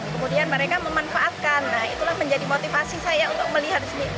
kemudian mereka memanfaatkan nah itulah menjadi motivasi saya untuk melihat di sini